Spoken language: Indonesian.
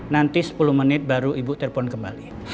nanti sepuluh menit baru ibu telepon kembali